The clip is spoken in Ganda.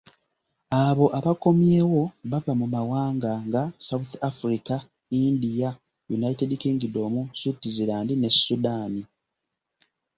Abo abakomyewo bava mu mawanga nga South Africa, India, United Kingdom, Switzerland ne Sudan.